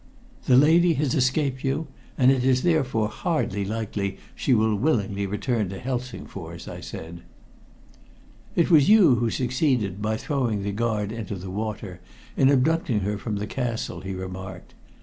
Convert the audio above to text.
"The lady has escaped you, and it is therefore hardly likely she will willingly return to Helsingfors," I said. "It was you who succeeded, by throwing the guard into the water, in abducting her from the castle," he remarked.